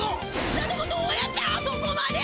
だどもどうやってあそこまで！？